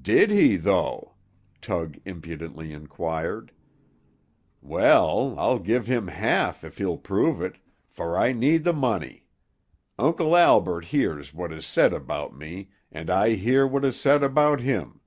"Did he, though?" Tug impudently inquired. "Well, I'll give him half if he'll prove it, for I need the money. Uncle Albert hears what is said about me, and I hear what is said about him.